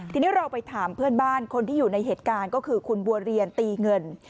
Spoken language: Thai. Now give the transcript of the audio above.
ทีนี้เราไปถามเพื่อนบ้านคนที่อยู่ในเหตุการณ์ก็คือคุณบัวเรียนตีเงิน